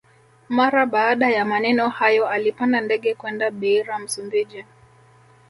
Mara baada ya maneno hayo alipanda ndege kwenda Beira Msumbiji